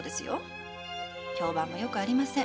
評判も良くありません。